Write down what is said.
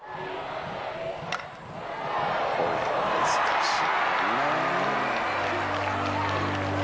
これ難しい。